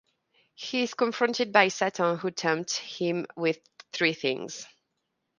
He is confronted by Satan, who tempts him with three things.